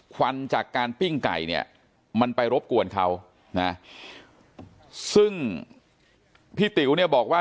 ควันจากการปิ้งไก่มันไปรบกวนเขาซึ่งพี่ติ๋วบอกว่า